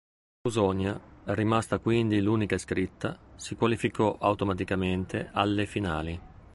L'Ausonia, rimasta quindi l'unica iscritta, si qualificò automaticamente alle finali.